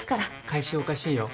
返しおかしいよ？